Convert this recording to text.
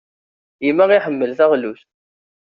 Gma iḥemmel taɣlust.